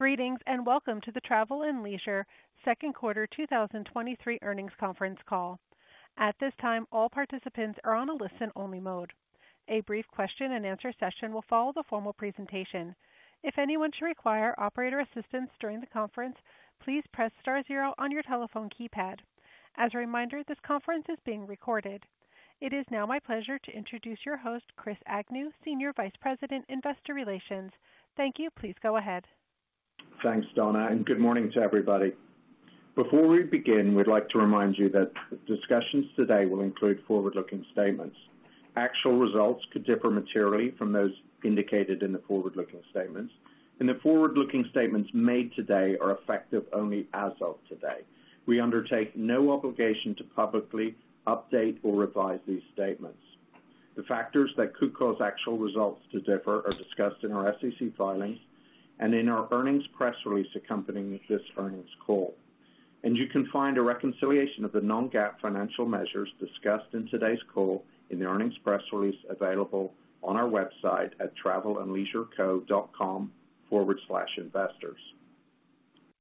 Greetings, and welcome to the Travel + Leisure 2nd quarter 2023 earnings conference call. At this time, all participants are on a listen-only mode. A brief question and answer session will follow the formal presentation. If anyone should require operator assistance during the conference, please press star 0 on your telephone keypad. As a reminder, this conference is being recorded. It is now my pleasure to introduce your host, Chris Agnew, Senior Vice President, Investor Relations. Thank you. Please go ahead. Thanks, Donna. Good morning to everybody. Before we begin, we'd like to remind you that discussions today will include forward-looking statements. Actual results could differ materially from those indicated in the forward-looking statements. The forward-looking statements made today are effective only as of today. We undertake no obligation to publicly update or revise these statements. The factors that could cause actual results to differ are discussed in our SEC filings and in our earnings press release accompanying this earnings call. You can find a reconciliation of the non-GAAP financial measures discussed in today's call in the earnings press release available on our website at travelandleisureco.com/investors.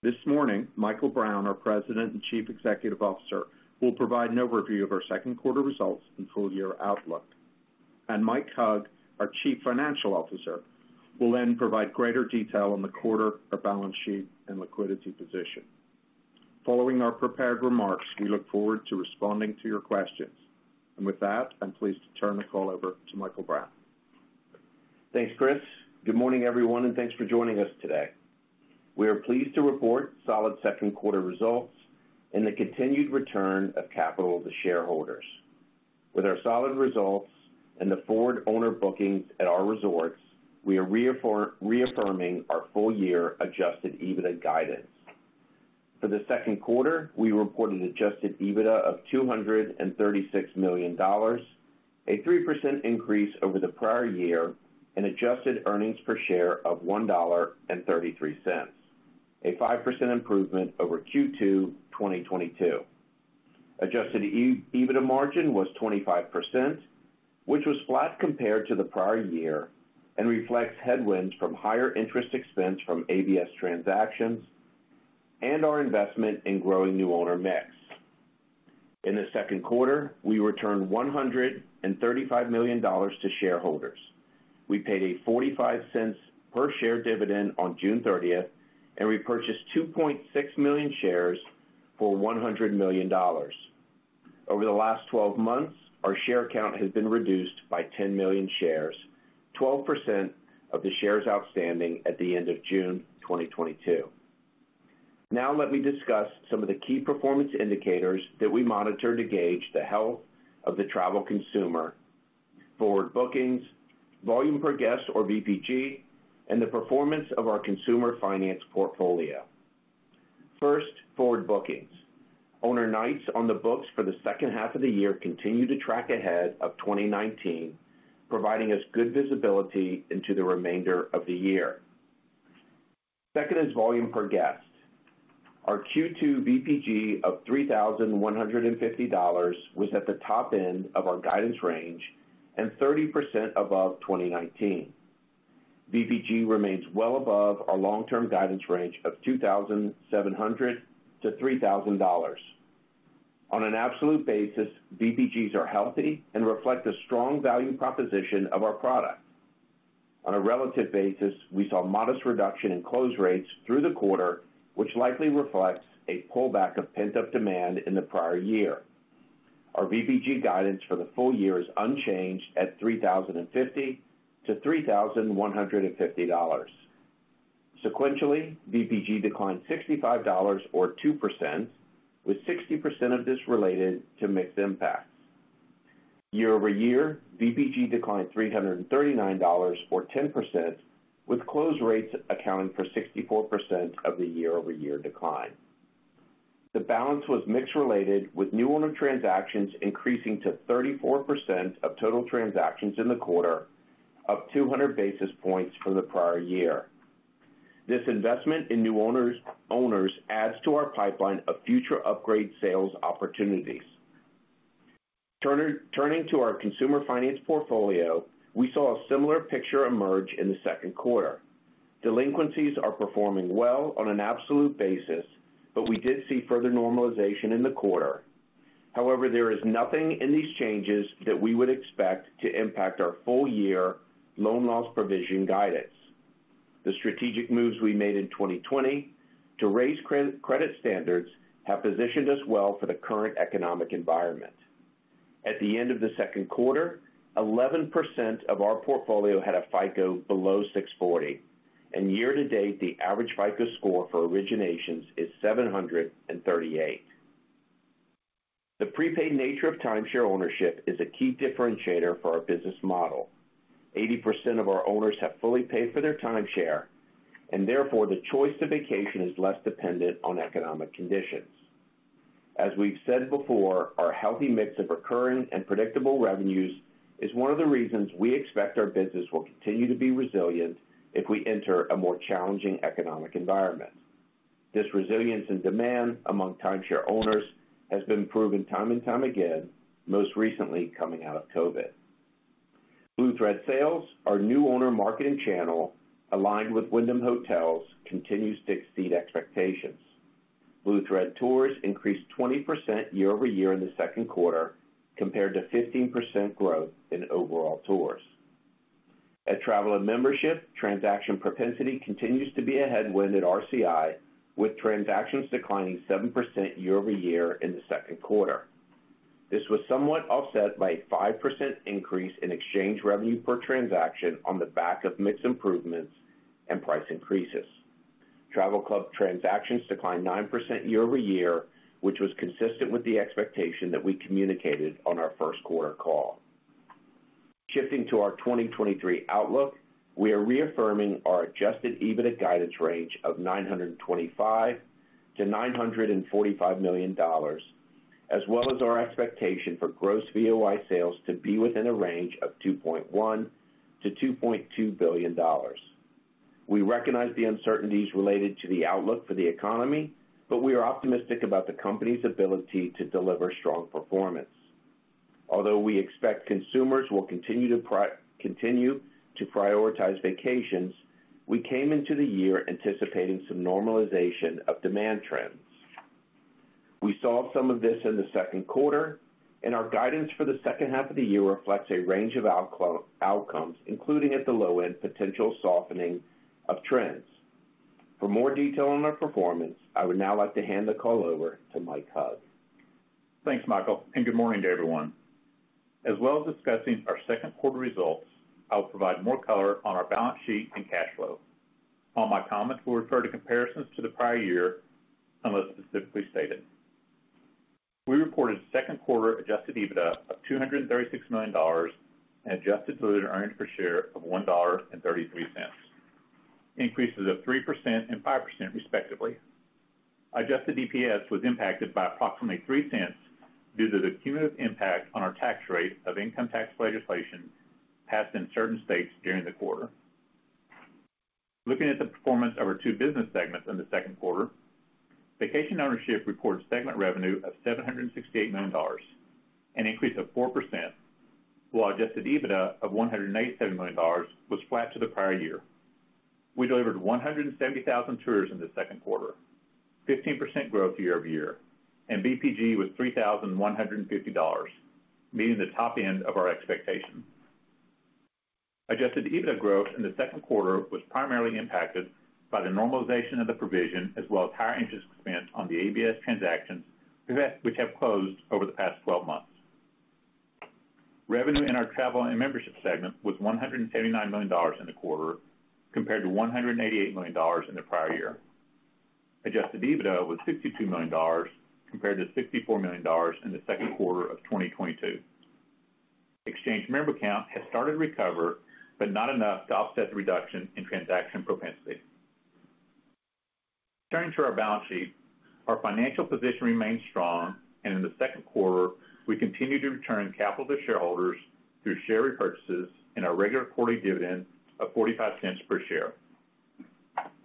This morning, Michael Brown, our President and Chief Executive Officer, will provide an overview of our Q2 results and full year outlook. Mike Hug, our Chief Financial Officer, will then provide greater detail on the quarter, our balance sheet, and liquidity position. Following our prepared remarks, we look forward to responding to your questions. With that, I'm pleased to turn the call over to Michael Brown. Thanks, Chris. Good morning, everyone, thanks for joining us today. We are pleased to report solid Q2 results and the continued return of capital to shareholders. With our solid results and the forward owner bookings at our resorts, we are reaffirming our full-year adjusted EBITDA guidance. For the Q2, we reported adjusted EBITDA of $236 million, a 3% increase over the prior year, and adjusted earnings per share of $1.33, a 5% improvement over Q2 2022. Adjusted EBITDA margin was 25%, which was flat compared to the prior year and reflects headwinds from higher interest expense from ABS transactions and our investment in growing new owner mix. In the Q2, we returned $135 million to shareholders. We paid a $0.45 per share dividend on June 30th, and we purchased 2.6 million shares for $100 million. Over the last 12 months, our share count has been reduced by 10 million shares, 12% of the shares outstanding at the end of June 2022. Now let me discuss some of the key performance indicators that we monitor to gauge the health of the travel consumer: forward bookings, volume per guest, or VPG, and the performance of our consumer finance portfolio. First, forward bookings. Owner nights on the books for the second half of the year continue to track ahead of 2019, providing us good visibility into the remainder of the year. 2nd volume per guest. Our Q2 VPG of $3,150 was at the top end of our guidance range and 30% above 2019. VPG remains well above our long-term guidance range of $2,700-$3,000. On an absolute basis, VPGs are healthy and reflect the strong value proposition of our product. On a relative basis, we saw modest reduction in close rates through the quarter, which likely reflects a pullback of pent-up demand in the prior year. Our VPG guidance for the full year is unchanged at $3,050-$3,150. Sequentially, VPG declined $65 or 2%, with 60% of this related to mix impacts. Year-over-year, VPG declined $339, or 10%, with close rates accounting for 64% of the year-over-year decline. The balance was mix related, with new owner transactions increasing to 34% of total transactions in the quarter, up 200 basis points from the prior year. This investment in new owners adds to our pipeline of future upgrade sales opportunities. turning to our consumer finance portfolio, we saw a similar picture emerge in the Q2. Delinquencies are performing well on an absolute basis, but we did see further normalization in the quarter. There is nothing in these changes that we would expect to impact our full-year loan loss provision guidance. The strategic moves we made in 2020 to raise credit standards have positioned us well for the current economic environment. At the end of the Q2, 11% of our portfolio had a FICO below 640, and year to date, the average FICO score for originations is 738. The prepaid nature of timeshare ownership is a key differentiator for our business model. 80% of our owners have fully paid for their timeshare, and therefore, the choice to vacation is less dependent on economic conditions. As we've said before, our healthy mix of recurring and predictable revenues is one of the reasons we expect our business will continue to be resilient if we enter a more challenging economic environment. This resilience in demand among timeshare owners has been proven time and time again, most recently coming out of COVID. Blue Thread Sales, our new owner marketing channel, aligned with Wyndham Hotels, continues to exceed expectations. Blue Thread Tours increased 20% year-over-year in the Q2, compared to 15% growth in overall tours. At Travel and Membership, transaction propensity continues to be a headwind at RCI, with transactions declining 7% year-over-year in the Q2. This was somewhat offset by a 5% increase in exchange revenue per transaction on the back of mix improvements and price increases. Travel Club transactions declined 9% year-over-year, which was consistent with the expectation that we communicated on our Q1 call. Shifting to our 2023 outlook, we are reaffirming our adjusted EBITDA guidance range of $925 million-$945 million, as well as our expectation for gross VOI sales to be within a range of $2.1 billion-$2.2 billion. We recognize the uncertainties related to the outlook for the economy, but we are optimistic about the company's ability to deliver strong performance. Although we expect consumers will continue to prioritize vacations, we came into the year anticipating some normalization of demand trends. We saw some of this in the Q2, and our guidance for the H2 of the year reflects a range of outcomes, including at the low end, potential softening of trends. For more detail on our performance, I would now like to hand the call over to Mike Hug. Thanks, Michael, good morning to everyone. As well as discussing our Q2 results, I'll provide more color on our balance sheet and cash flow. All my comments will refer to comparisons to the prior year, unless specifically stated. We reported Q2 adjusted EBITDA of $236 million and adjusted diluted earnings per share of $1.33, increases of 3% and 5% respectively. Adjusted EPS was impacted by approximately $0.03 due to the cumulative impact on our tax rate of income tax legislation passed in certain states during the quarter. Looking at the performance of our 2 business segments in the Q2, vacation ownership recorded segment revenue of $768 million, an increase of 4%, while adjusted EBITDA of $187 million was flat to the prior year. We delivered 170,000 tours in the Q2, 15% growth year-over-year, and VPG was $3,150, meeting the top end of our expectation. Adjusted EBITDA growth in the Q2 was primarily impacted by the normalization of the provision, as well as higher interest expense on the ABS transactions, which have closed over the past 12 months. Revenue in our travel and membership segment was $179 million in the quarter, compared to $188 million in the prior year. Adjusted EBITDA was $62 million, compared to $64 million in the Q2 of 2022. Exchange member count has started to recover, but not enough to offset the reduction in transaction propensity. Turning to our balance sheet, our financial position remains strong, and in the Q2, we continued to return capital to shareholders through share repurchases and our regular quarterly dividend of $0.45 per share.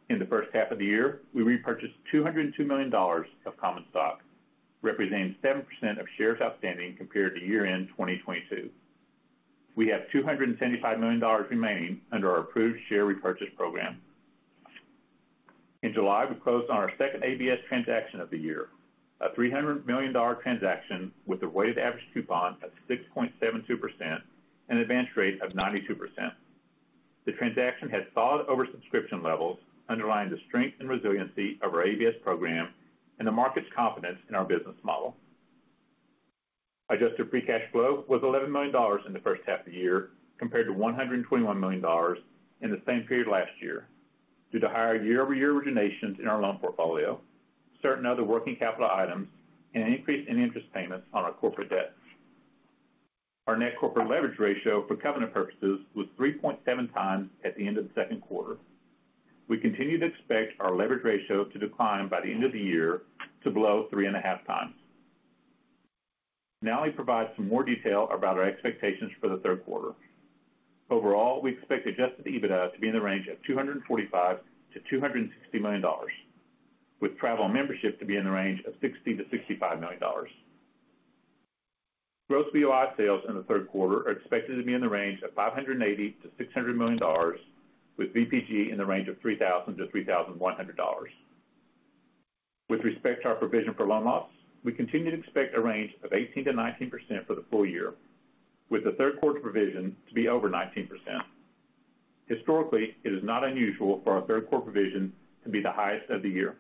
In the H1 of the year, we repurchased $202 million of common stock, representing 7% of shares outstanding compared to year-end 2022. We have $275 million remaining under our approved share repurchase program. In July, we closed on our second ABS transaction of the year, a $300 million transaction with a weighted average coupon of 6.72% and an advance rate of 92%. The transaction had solid oversubscription levels, underlying the strength and resiliency of our ABS program and the market's confidence in our business model. Adjusted free cash flow was $11 million in the first half of the year, compared to $121 million in the same period last year, due to higher year-over-year originations in our loan portfolio, certain other working capital items, and an increase in interest payments on our corporate debt. Our net corporate leverage ratio for covenant purposes was 3.7 times at the end of the Q2. We continue to expect our leverage ratio to decline by the end of the year to below 3.5 times. I'll provide some more detail about our expectations for the Q3. Overall, we expect adjusted EBITDA to be in the range of $245 million-$260 million, with travel and membership to be in the range of $60 million-$65 million. Gross VOI sales in the Q3 are expected to be in the range of $580 million-$600 million, with VPG in the range of $3,000-$3,100. With respect to our provision for loan loss, we continue to expect a range of 18%-19% for the full year, with the Q3 provision to be over 19%. Historically, it is not unusual for our Q3 provision to be the highest of the year.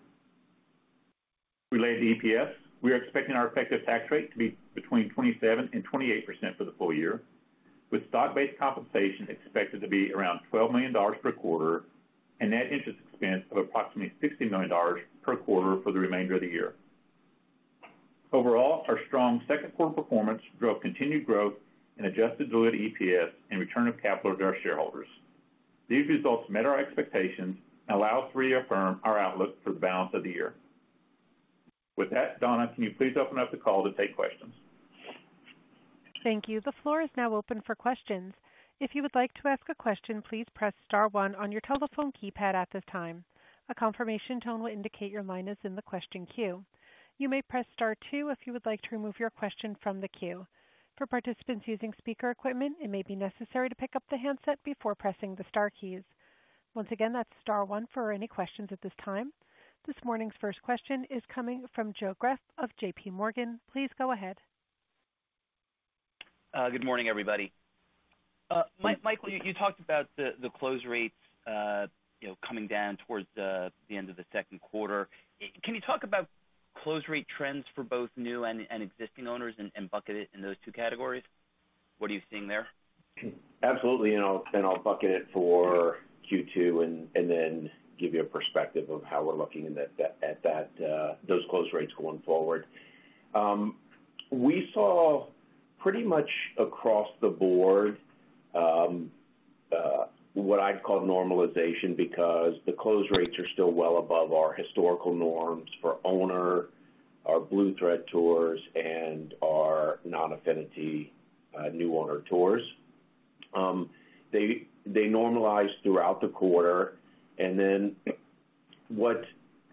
Related to EPS, we are expecting our effective tax rate to be between 27% and 28% for the full year, with stock-based compensation expected to be around $12 million per quarter and net interest expense of approximately $60 million per quarter for the remainder of the year. Overall, our strong Q2 performance drove continued growth in adjusted diluted EPS and return of capital to our shareholders. These results met our expectations and allow us to reaffirm our outlook for the balance of the year. With that, Donna, can you please open up the call to take questions? Thank you. The floor is now open for questions. If you would like to ask a question, please press star 1 on your telephone keypad at this time. A confirmation tone will indicate your line is in the question queue. You may press star 2 if you would like to remove your question from the queue. For participants using speaker equipment, it may be necessary to pick up the handset before pressing the star keys. Once again, that's star one for any questions at this time. This morning's 1st question is coming from Joe Greff of JPMorgan. Please go ahead. Good morning, everybody. Michael, you talked about the close rates, you know, coming down towards the end of the Q2. Can you talk about close rate trends for both new and existing owners and bucket it in those two categories? What are you seeing there? Absolutely, I'll bucket it for Q2 and then give you a perspective of how we're looking at that, those close rates going forward. We saw pretty much across the board, what I'd call normalization, because the close rates are still well above our historical norms for owner, our Blue Thread tours, and our non-affinity, new owner tours. They normalized throughout the quarter, and then what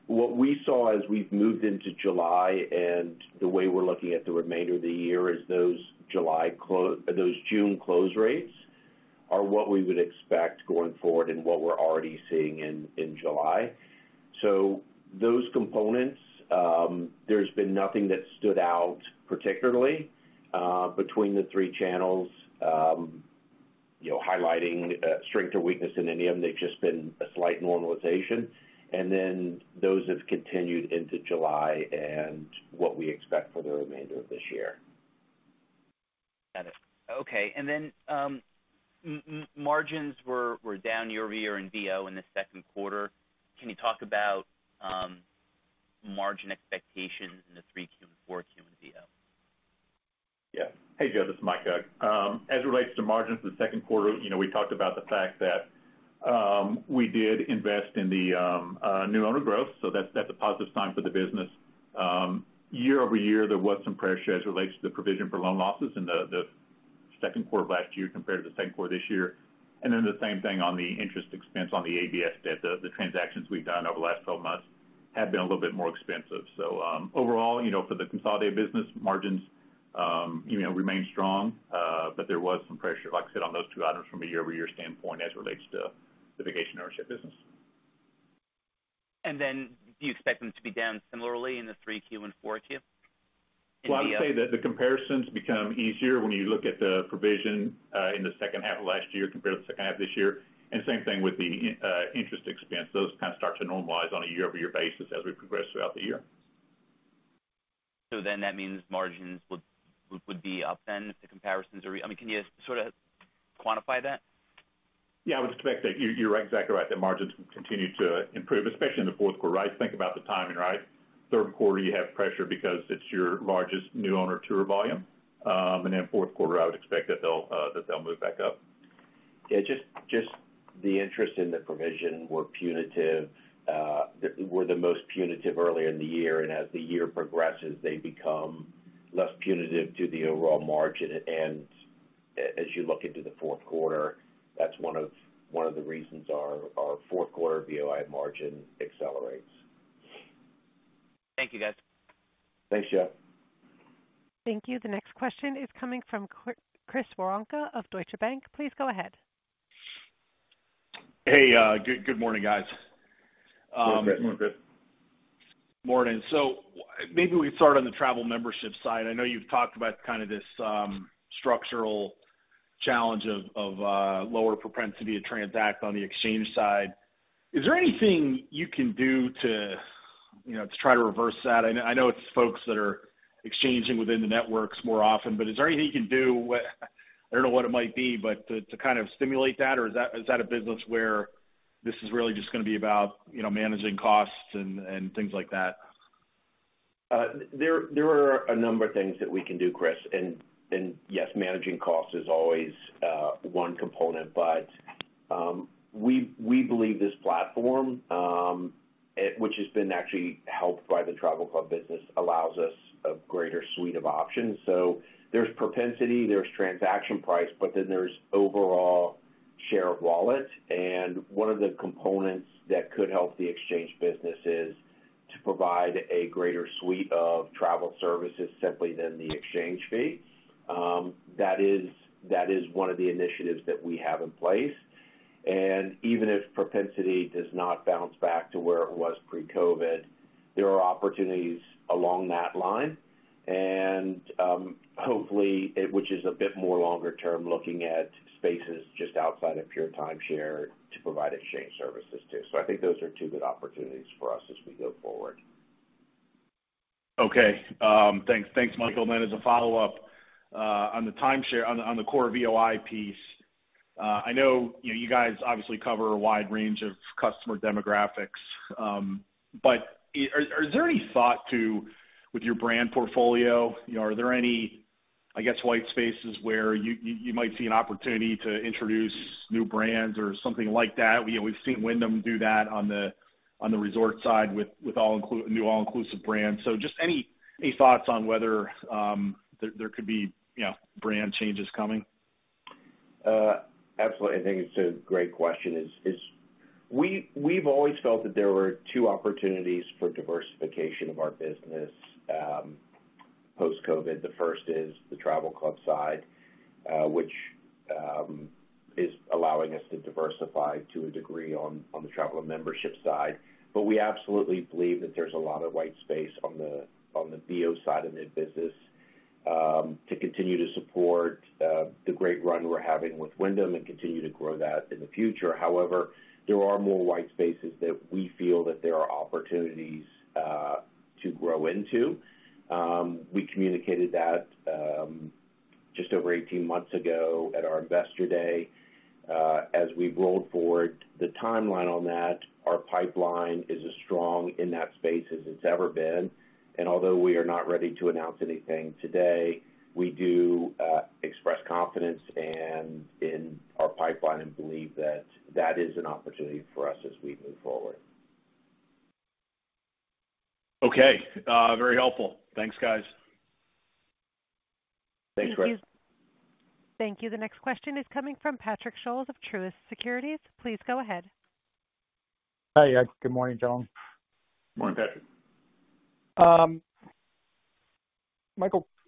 we saw as we've moved into July and the way we're looking at the remainder of the year is those June close rates are what we would expect going forward and what we're already seeing in July. Those components, there's been nothing that stood out particularly, between the 3 channels, you know, highlighting strength or weakness in any of them. They've just been a slight normalization, and then those have continued into July and what we expect for the remainder of this year. Got it. Okay. Margins were down year-over-year in VO in the Q2. Can you talk about margin expectations in the 3Q and 4Q in VO? Yeah. Hey, Joe, this is Mike Hug. As it relates to margins in the Q2, you know, we talked about the fact that we did invest in the new owner growth, so that's a positive sign for the business. Year-over-year, there was some pressure as it relates to the provision for loan losses in the Q2 of last year compared to the Q2 this year. The same thing on the interest expense on the ABS debt. The transactions we've done over the last 12 months have been a little bit more expensive. Overall, you know, for the consolidated business, margins, you know, remain strong, but there was some pressure, like I said, on those two items from a year-over-year standpoint as it relates to the vacation ownership business. Then do you expect them to be down similarly in the 3Q and 4Q? Well, I'd say that the comparisons become easier when you look at the provision in the H2 of last year compared to the H2 of this year, and same thing with the interest expense. Those kind of start to normalize on a year-over-year basis as we progress throughout the year. That means margins would be up then, if the comparisons are. I mean, can you sort of quantify that? Yeah, I would expect that. You're exactly right, that margins will continue to improve, especially in the Q4, right? Think about the timing, right? Q3, you have pressure because it's your largest new owner tour volume. Then Q4, I would expect that they'll move back up. Yeah, just the interest in the provision were punitive, were the most punitive earlier in the year, as the year progresses, they become less punitive to the overall margin. As you look into the Q4, that's one of the reasons our Q4 VOI margin accelerates. Thank you, guys. Thanks, Joe. Thank you. The next question is coming from Chris Woronka of Deutsche Bank. Please go ahead. Hey, good morning, guys. Good morning, Chris. Good morning, Chris. Morning. Maybe we can start on the travel membership side. I know you've talked about kind of this structural challenge of lower propensity to transact on the exchange side. Is there anything you can do to, you know, to try to reverse that? I know it's folks that are exchanging within the networks more often, but is there anything you can do, I don't know what it might be, but to kind of stimulate that? Or is that a business where this is really just gonna be about, you know, managing costs and things like that? There are a number of things that we can do, Chris. Yes, managing costs is always one component. We believe this platform, which has been actually helped by the travel club business, allows us a greater suite of options. There's propensity, there's transaction price, but then there's overall share of wallet. One of the components that could help the exchange business is to provide a greater suite of travel services simply than the exchange fee. That is one of the initiatives that we have in place. Even if propensity does not bounce back to where it was pre-COVID, there are opportunities along that line. Hopefully, it, which is a bit more longer term, looking at spaces just outside of pure timeshare to provide exchange services, too. I think those are two good opportunities for us as we go forward. Okay. Thanks. Thanks, Michael. As a follow-up, on the timeshare, on the, on the core VOI piece, I know, you know, you guys obviously cover a wide range of customer demographics. But is there any thought to, with your brand portfolio, you know, are there any, I guess, white spaces where you might see an opportunity to introduce new brands or something like that? You know, we've seen Wyndham do that on the, on the resort side with new all-inclusive brands. Just any thoughts on whether there could be, you know, brand changes coming? Absolutely. I think it's a great question, we've always felt that there were 2 opportunities for diversification of our business, post-COVID. The first is the travel club side, which, is allowing us to diversify to a degree on the travel and membership side. We absolutely believe that there's a lot of white space on the VO side of the business, to continue to support, the great run we're having with Wyndham and continue to grow that in the future. There are more white spaces that we feel that there are opportunities, to grow into. We communicated that, just over 18 months ago at our Investor Day. As we rolled forward the timeline on that, our pipeline is as strong in that space as it's ever been, and although we are not ready to announce anything today, we do express confidence and in our pipeline and believe that that is an opportunity for us as we move forward. Okay, very helpful. Thanks, guys. Thanks, Chris. Thank you. Thank you. The next question is coming from Patrick Scholes of Truist Securities. Please go ahead. Hi, yeah, good morning, gentlemen. Good morning, Patrick. Michael,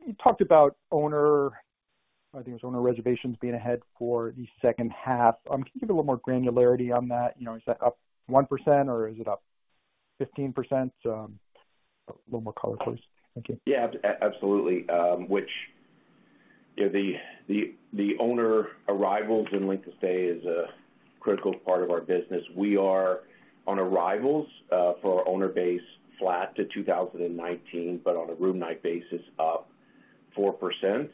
you talked about owner, I think it was owner reservations being ahead for the H2. Can you give a little more granularity on that? You know, is that up 1% or is it up 15%? A little more color, please. Thank you. Yeah, absolutely. Which, you know, the owner arrivals and length of stay is a critical part of our business. We are on arrivals, for our owner base, flat to 2019, but on a room night basis, up 4%.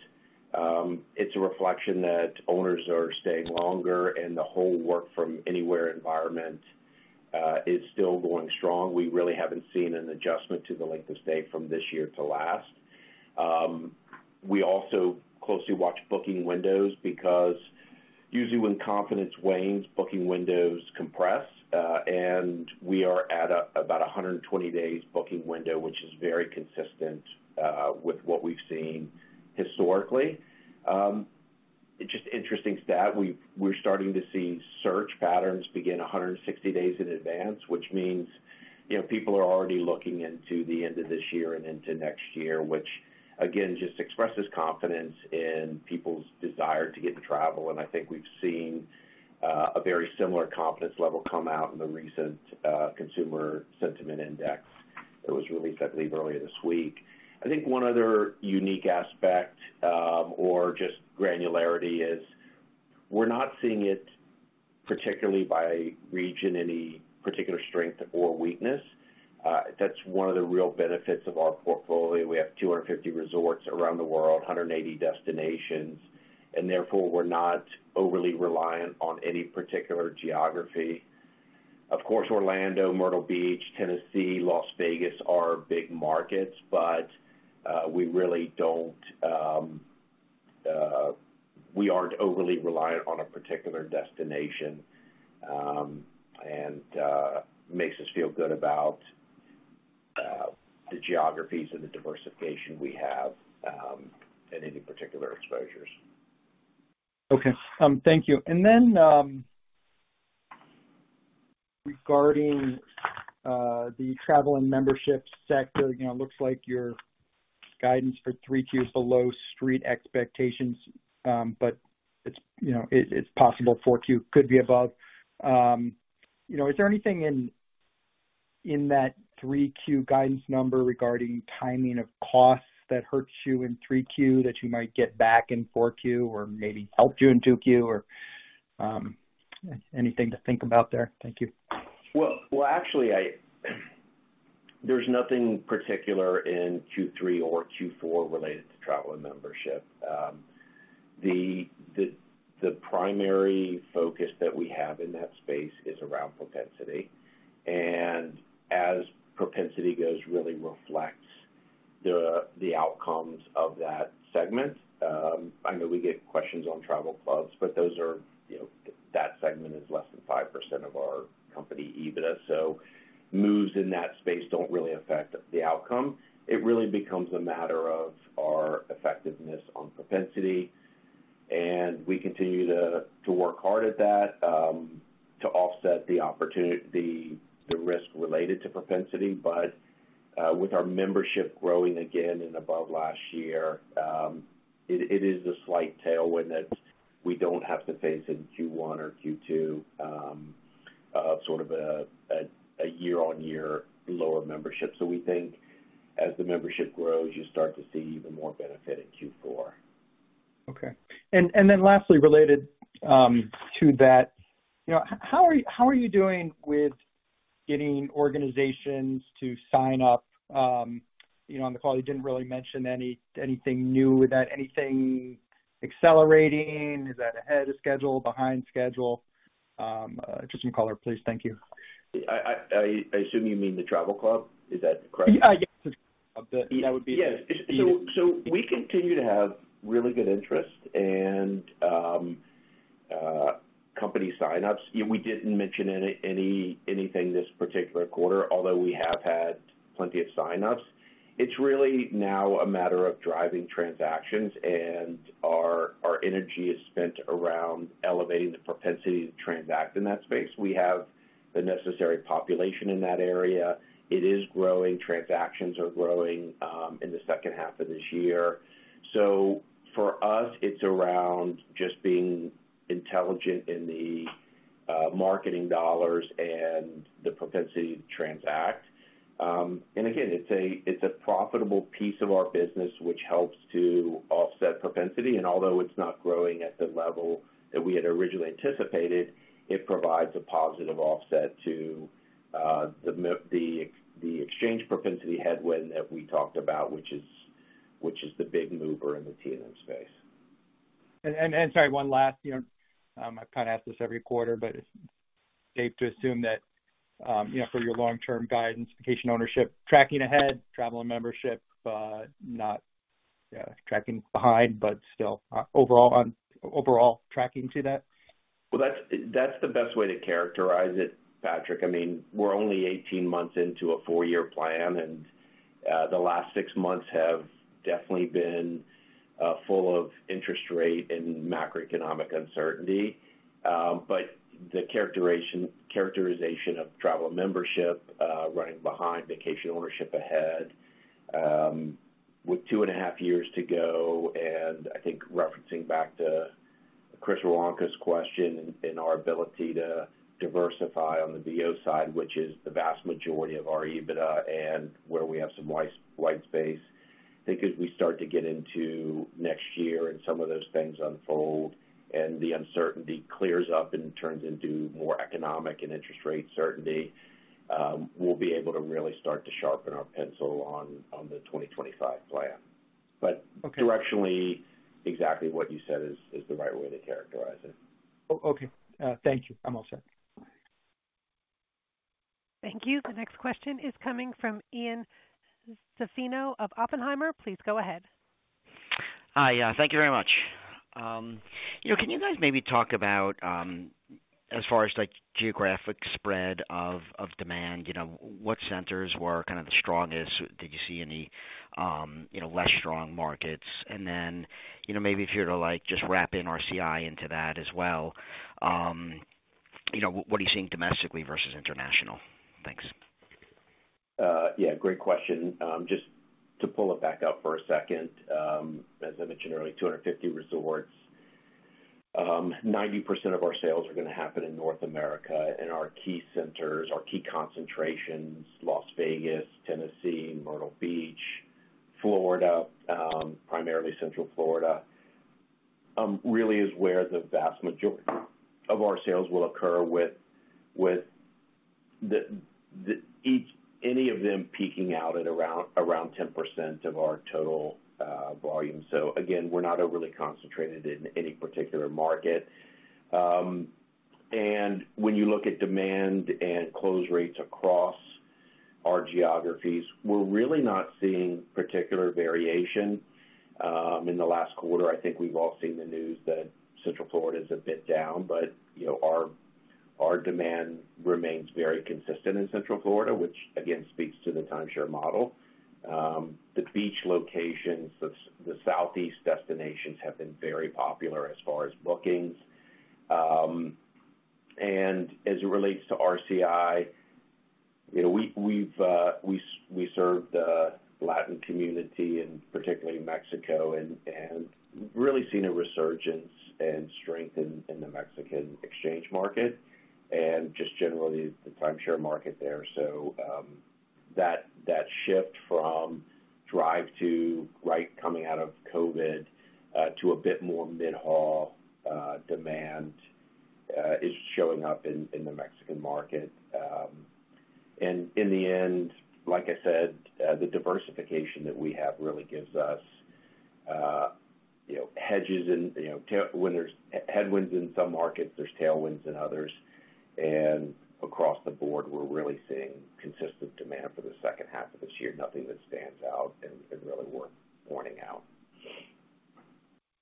It's a reflection that owners are staying longer and the whole work from anywhere environment is still going strong. We really haven't seen an adjustment to the length of stay from this year to last. We also closely watch booking windows because usually when confidence wanes, booking windows compress, and we are at about 120 days booking window, which is very consistent with what we've seen historically. It's just interesting stat, we're starting to see search patterns begin 160 days in advance, which means, you know, people are already looking into the end of this year and into next year, which, again, just expresses confidence in people's desire to get to travel. I think we've seen a very similar confidence level come out in the recent Consumer Sentiment Index that was released, I believe, earlier this week. I think one other unique aspect, or just granularity is we're not seeing it particularly by region, any particular strength or weakness. That's one of the real benefits of our portfolio. We have 250 resorts around the world, 180 destinations, therefore, we're not overly reliant on any particular geography. Of course, Orlando, Myrtle Beach, Tennessee, Las Vegas are big markets, but we really don't, we aren't overly reliant on a particular destination, and makes us feel good about the geographies and the diversification we have, and any particular exposures. Okay, thank you. Regarding the travel and membership sector, you know, it looks like your guidance for 3Q is below street expectations, but it's, you know, it's possible 4Q could be above. You know, is there anything in that 3Q guidance number regarding timing of costs that hurts you in 3Q that you might get back in 4Q or maybe helped you in 2Q or anything to think about there? Thank you. Well, actually, there's nothing particular in Q3 or Q4 related to travel and membership. The primary focus that we have in that space is around propensity, and as propensity goes, really reflects the outcomes of that segment. I know we get questions on travel clubs, but those are, you know, that segment is less than 5% of our company EBITDA, so moves in that space don't really affect the outcome. It really becomes a matter of our effectiveness on propensity, and we continue to work hard at that, to offset the risk related to propensity. With our membership growing again and above last year, it is a slight tailwind that we don't have to face in Q1 or Q2, sort of a year-on-year lower membership. We think as the membership grows, you start to see even more benefit in Q4. Okay. Lastly, related to that, you know, how are you doing with getting organizations to sign up? You know, on the call, you didn't really mention anything new with that. Anything accelerating? Is that ahead of schedule, behind schedule? Just some color, please. Thank you. I assume you mean the travel club. Is that correct? Yeah. Yes, that would. Yes. We continue to have really good interest, and company signups, we didn't mention anything this particular quarter, although we have had plenty of signups. It's really now a matter of driving transactions, and our energy is spent around elevating the propensity to transact in that space. We have the necessary population in that area. It is growing. Transactions are growing in the second half of this year. For us, it's around just being intelligent in the marketing dollars and the propensity to transact. Again, it's a, it's a profitable piece of our business, which helps to offset propensity, and although it's not growing at the level that we had originally anticipated, it provides a positive offset to the exchange propensity headwind that we talked about, which is the big mover in the T&M space. Sorry, one last, you know, I've kind of asked this every quarter, but it's safe to assume that, you know, for your long-term guidance, vacation ownership, tracking ahead, travel and membership, not tracking behind, but still, overall tracking to that? Well, that's the best way to characterize it, Patrick. I mean, we're only 18 months into a 4-year plan, and the last 6 months have definitely been full of interest rate and macroeconomic uncertainty. But the characterization of Travel and Membership running behind, vacation ownership ahead, with 2 1/2 years to go, and I think referencing back to Chris Woronka's question in our ability to diversify on the VO side, which is the vast majority of our EBITDA and where we have some white space. I think as we start to get into next year and some of those things unfold and the uncertainty clears up and turns into more economic and interest rate certainty, we'll be able to really start to sharpen our pencil on the 2025 plan. Okay. Directionally, exactly what you said is the right way to characterize it. Okay. Thank you. I'm all set. Thank you. The next question is coming from Ian Zaffino of Oppenheimer. Please go ahead. Hi, thank you very much. You know, can you guys maybe talk about, as far as, like, geographic spread of demand, you know, what centers were kind of the strongest? Did you see any, you know, less strong markets? You know, maybe if you were to, like, just wrap in RCI into that as well, you know, what are you seeing domestically versus international? Thanks. Yeah, great question. Just to pull it back up for a second, as I mentioned earlier, 250 resorts, 90% of our sales are gonna happen in North America, and our key centers, our key concentrations, Las Vegas, Tennessee, Myrtle Beach, Florida, primarily Central Florida, really is where the vast majority of our sales will occur, with any of them peaking out at around 10% of our total volume. Again, we're not overly concentrated in any particular market. When you look at demand and close rates across our geographies, we're really not seeing particular variation. In the last quarter, I think we've all seen the news that Central Florida is a bit down, you know, our demand remains very consistent in Central Florida, which again, speaks to the timeshare model. The beach locations, the southeast destinations have been very popular as far as bookings. As it relates to RCI, you know, we've we serve the Latin community and particularly Mexico and really seen a resurgence and strength in the Mexican exchange market and just generally the timeshare market there. That shift from drive to right coming out of COVID to a bit more mid-haul demand is showing up in the Mexican market. In the end, like I said, the diversification that we have really gives us, you know, hedges and, you know, when there's headwinds in some markets, there's tailwinds in others, and across the board, we're really seeing consistent demand for the H2 of this year. Nothing that stands out and really worth pointing out.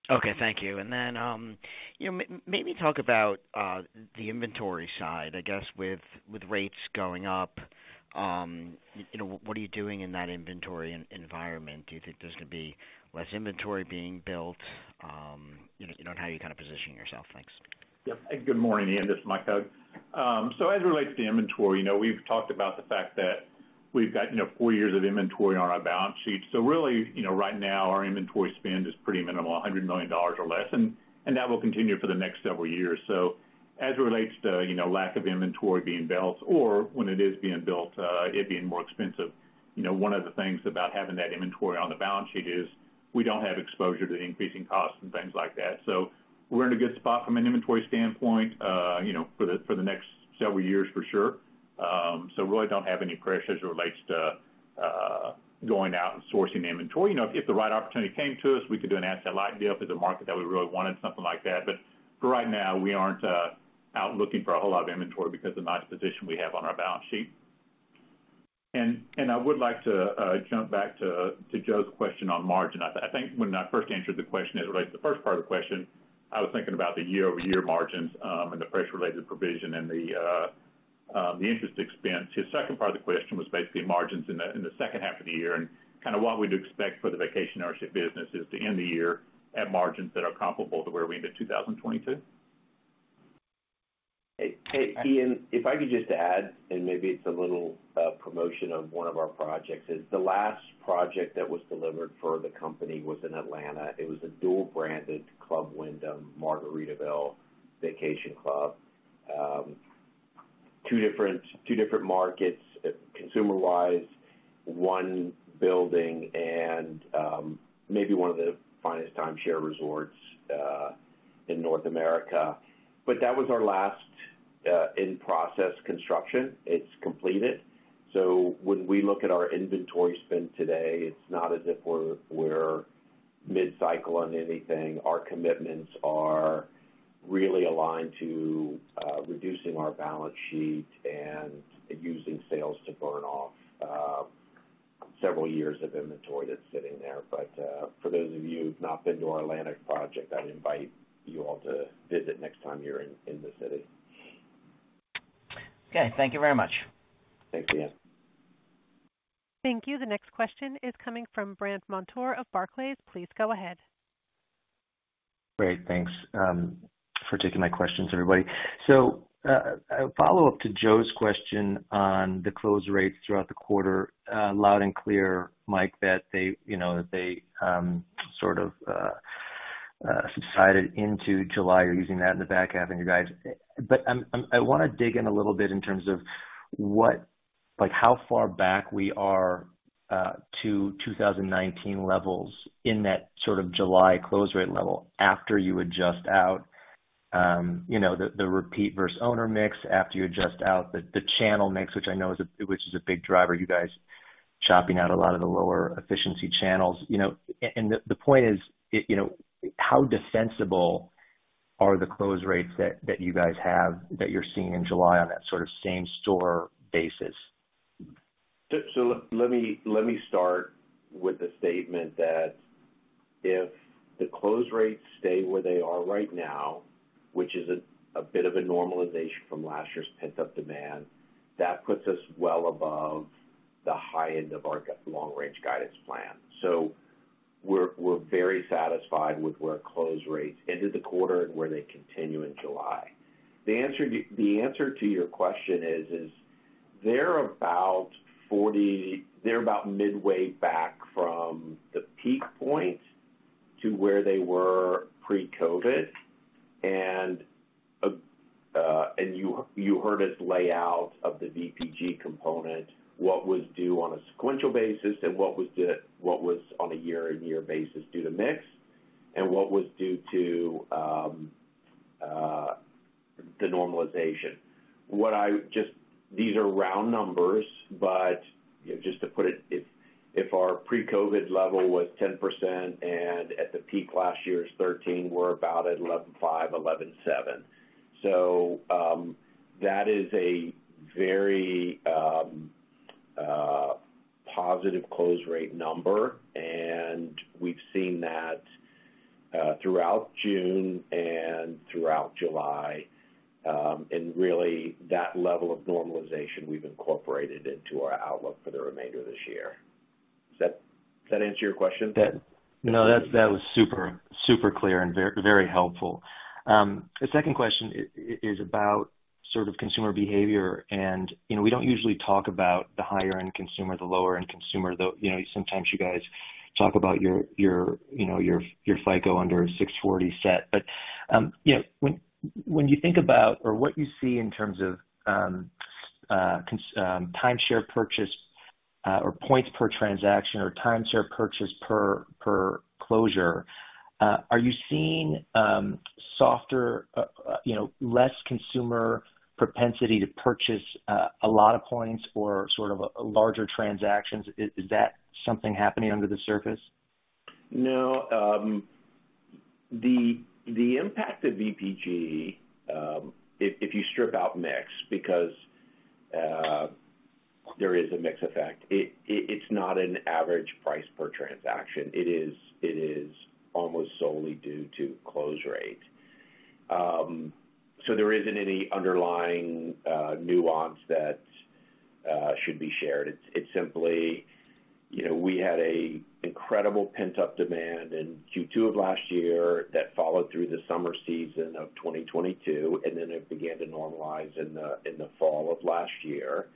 Okay, thank you. You know, maybe talk about the inventory side. I guess with rates going up, you know, what are you doing in that inventory environment? Do you think there's going to be less inventory being built? You know, and how you kind of position yourself. Thanks. Yeah. Good morning, Ian, this is Mike Hug. As it relates to inventory, you know, we've talked about the fact that we've got, you know, 4 years of inventory on our balance sheet. Really, you know, right now, our inventory spend is pretty minimal, $100 million or less, and that will continue for the next several years. As it relates to, you know, lack of inventory being built or when it is being built, it being more expensive, you know, one of the things about having that inventory on the balance sheet is we don't have exposure to the increasing costs and things like that. We're in a good spot from an inventory standpoint, you know, for the next several years for sure. We really don't have any pressure as it relates to going out and sourcing inventory. You know, if the right opportunity came to us, we could do an asset light deal with the market that we really wanted, something like that. For right now, we aren't out looking for a whole lot of inventory because of the nice position we have on our balance sheet. I would like to jump back to Joe's question on margin. I think when I first answered the question, as it relates to the first part of the question, I was thinking about the year-over-year margins, and the price related provision and the interest expense. His 2nd part of the question was basically margins in the, in the H2 of the year and kind of what we'd expect for the vacation ownership business is to end the year at margins that are comparable to where we ended 2022. Hey, hey, Ian, if I could just add, maybe it's a little promotion of one of our projects, is the last project that was delivered for the company was in Atlanta. It was a dual-branded Club Wyndham Margaritaville Vacation Club. 2 different markets, consumer-wise, one building, maybe one of the finest timeshare resorts in North America. That was our last in-process construction. It's completed. When we look at our inventory spend today, it's not as if we're mid-cycle on anything. Our commitments are really aligned to reducing our balance sheet and using sales to burn off several years of inventory that's sitting there. For those of you who've not been to our Atlantia project, I'd invite you all to visit next time you're in the city. Okay, thank you very much. Thanks, Ian. Thank you. The next question is coming from Brandt Montour of Barclays. Please go ahead. Great, thanks for taking my questions, everybody. A follow-up to Joe's question on the close rates throughout the quarter, loud and clear, Mike, that they, you know, sort of subsided into July. You're using that in the back half and you guys. I want to dig in a little bit in terms of what, like, how far back we are to 2019 levels in that sort of July close rate level, after you adjust out, you know, the repeat versus owner mix, after you adjust out the channel mix, which I know is a big driver, you guys chopping out a lot of the lower efficiency channels. You know, the point is, you know, how defensible are the close rates that you guys have, that you're seeing in July on that sort of same store basis? Let me start with the statement that if the close rates stay where they are right now, which is a bit of a normalization from last year's pent-up demand, that puts us well above the high end of our long-range guidance plan. We're very satisfied with where close rates ended the quarter and where they continue in July. The answer to your question is they're about midway back from the peak point to where they were pre-COVID. You heard us lay out of the VPG component, what was due on a sequential basis and what was on a year-on-year basis due to mix, and what was due to the normalization. What I just. These are round numbers, you know, just to put it, if our pre-COVID level was 10% and at the peak last year's 13, we're about at 11.5, 11.7. That is a very positive close rate number, and we've seen that throughout June and throughout July. Really, that level of normalization we've incorporated into our outlook for the remainder of this year. Does that answer your question? No, that was super clear and very, very helpful. The 2nd question is about sort of consumer behavior, you know, we don't usually talk about the higher end consumer, the lower end consumer, though, you know, sometimes you guys talk about your FICO under a 640 set. You know, when you think about or what you see in terms of timeshare purchase, or points per transaction, or timeshare purchase per closure, are you seeing, you know, less consumer propensity to purchase a lot of points or sort of a larger transactions? Is that something happening under the surface? No, the impact of VPG, if you strip out mix, because there is a mix effect, it's not an average price per transaction. It is almost solely due to close rate. There isn't any underlying nuance that should be shared. It's simply, you know, we had an incredible pent-up demand in Q2 of last year that followed through the summer season of 2022, and then it began to normalize in the fall of last year.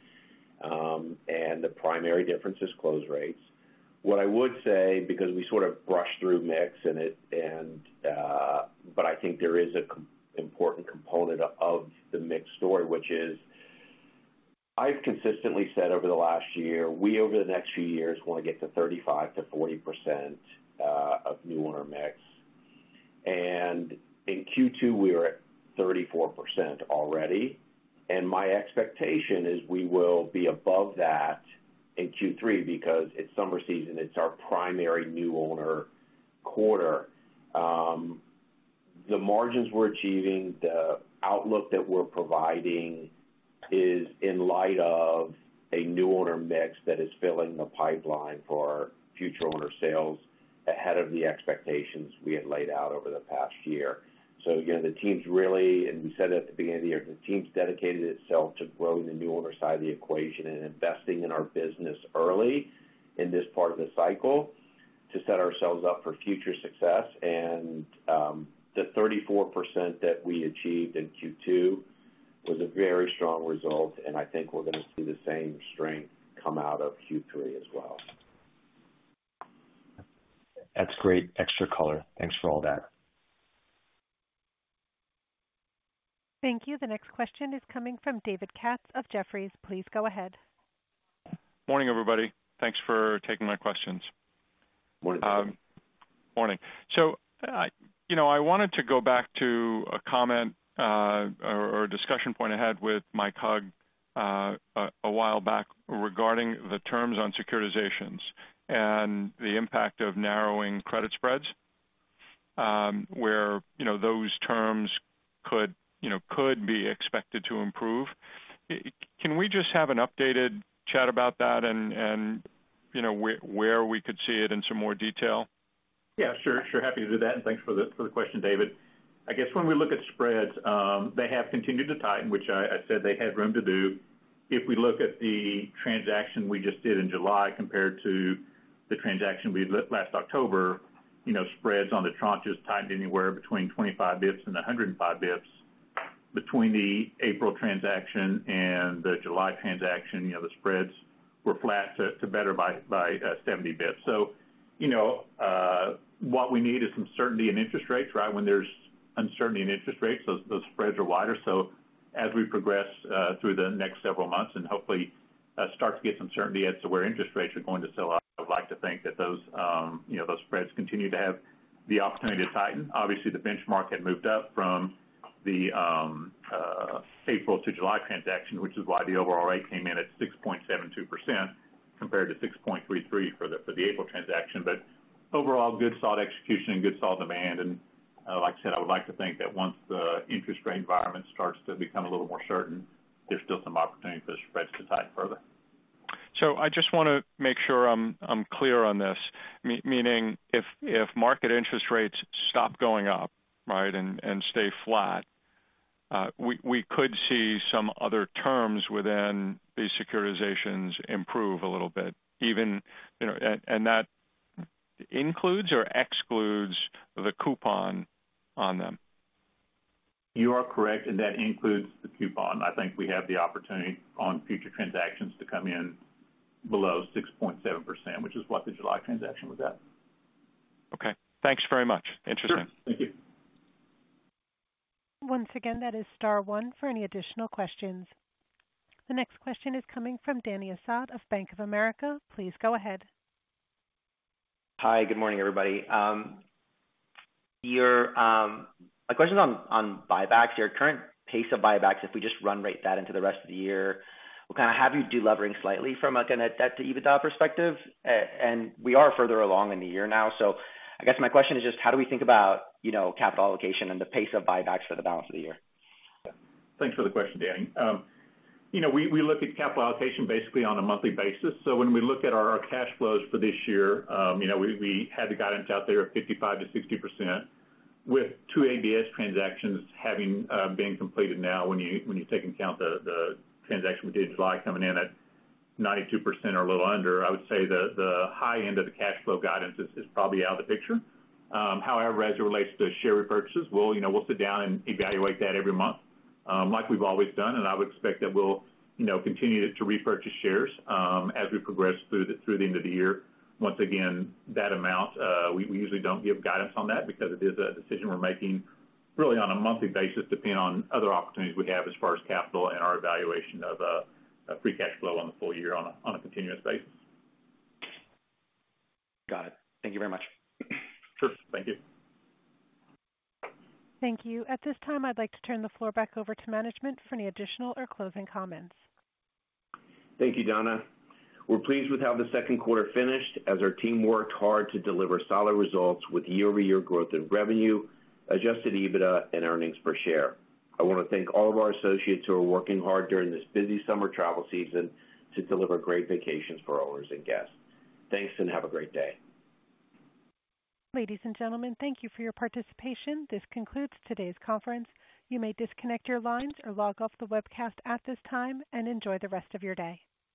The primary difference is close rates. What I would say, because we sort of brushed through mix and it, but I think there is an important component of the mix story, which is I've consistently said over the last year, we, over the next few years, want to get to 35%-40% of new owner mix. In Q2, we are at 34% already, and my expectation is we will be above that in Q3 because it's summer season, it's our primary new owner quarter. The margins we're achieving, the outlook that we're providing is in light of a new owner mix that is filling the pipeline for our future owner sales ahead of the expectations we had laid out over the past year. The team's really, and we said it at the beginning of the year, the team's dedicated itself to growing the new owner side of the equation and investing in our business early in this part of the cycle to set ourselves up for future success. The 34% that we achieved in Q2 was a very strong result, and I think we're gonna see the same strength come out of Q3 as well. That's great. Extra color. Thanks for all that. Thank you. The next question is coming from David Katz of Jefferies. Please go ahead. Morning, everybody. Thanks for taking my questions. Morning. Morning. I, you know, I wanted to go back to a comment, or a discussion point I had with Mike Hug, a while back regarding the terms on securitizations and the impact of narrowing credit spreads, where, you know, those terms could, you know, could be expected to improve. Can we just have an updated chat about that and, you know, where we could see it in some more detail? Happy to do that, thanks for the question, David. I guess when we look at spreads, they have continued to tighten, which I said they had room to do. If we look at the transaction we just did in July compared to the transaction we did last October, you know, spreads on the tranches tightened anywhere between 25 basis points and 105 basis points. Between the April transaction and the July transaction, you know, the spreads were flat to better by 70 basis points. You know, what we need is some certainty in interest rates, right? When there's uncertainty in interest rates, those spreads are wider. As we progress through the next several months and hopefully start to get some certainty as to where interest rates are going to settle out, I would like to think that those, you know, those spreads continue to have the opportunity to tighten. Obviously, the benchmark had moved up from the April to July transaction, which is why the overall rate came in at 6.72% compared to 6.33 for the April transaction. Overall, good, solid execution and good, solid demand, and like I said, I would like to think that once the interest rate environment starts to become a little more certain, there's still some opportunity for the spreads to tighten further. I just wanna make sure I'm clear on this. Meaning if market interest rates stop going up, right, and stay flat, we could see some other terms within these securitizations improve a little bit, even, you know. That includes or excludes the coupon on them? You are correct, and that includes the coupon. I think we have the opportunity on future transactions to come in below 6.7%, which is what the July transaction was at. Okay. Thanks very much. Interesting. Sure. Thank you. Once again, that is star 1 for any additional questions. The next question is coming from Dany Asad of Bank of America. Please go ahead. Hi, good morning, everybody. A question on buybacks. Your current pace of buybacks, if we just run rate that into the rest of the year, will kind of have you delivering slightly from a, kind of, debt to EBITDA perspective. We are further along in the year now, so I guess my question is just how do we think about, you know, capital allocation and the pace of buybacks for the balance of the year? Thanks for the question, Dany. You know, we look at capital allocation basically on a monthly basis. When we look at our cash flows for this year, you know, we had the guidance out there of 55%-60%, with two ABS transactions having been completed now. When you, when you take into account the transaction we did in July coming in at 92% or a little under, I would say the high end of the cash flow guidance is probably out of the picture. As it relates to share repurchases, we'll, you know, we'll sit down and evaluate that every month, like we've always done, and I would expect that we'll, you know, continue to repurchase shares, as we progress through the, through the end of the year. Once again, that amount, we usually don't give guidance on that because it is a decision we're making really on a monthly basis, depending on other opportunities we have as far as capital and our evaluation of free cash flow on the full year on a continuous basis. Got it. Thank you very much. Sure. Thank you. Thank you. At this time, I'd like to turn the floor back over to management for any additional or closing comments. Thank you, Donna. We're pleased with how the Q2 finished, as our team worked hard to deliver solid results with year-over-year growth in revenue, adjusted EBITDA, and earnings per share. I want to thank all of our associates who are working hard during this busy summer travel season to deliver great vacations for owners and guests. Thanks, and have a great day. Ladies and gentlemen, thank you for your participation. This concludes today's conference. You may disconnect your lines or log off the webcast at this time, and enjoy the rest of your day.